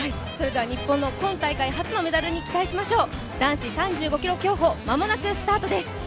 日本の今大会初のメダルに期待しましょう。